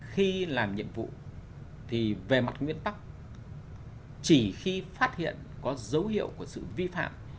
khi làm nhiệm vụ thì về mặt nguyên tắc chỉ khi phát hiện có dấu hiệu của sự vi phạm